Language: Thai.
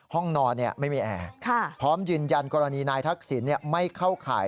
ห้องนอนไม่มีแอร์พร้อมยืนยันกรณีนายทักษิณไม่เข้าข่าย